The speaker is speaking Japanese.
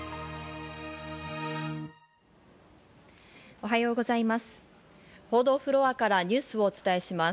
おはようございます。